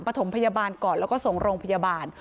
ถมพยาบาลก่อนแล้วก็ส่งโรงพยาบาล